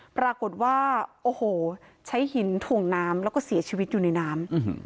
ปรากฏว่าโอ้โหใช้หินถ่วงน้ำแล้วก็เสียชีวิตอยู่ในน้ำ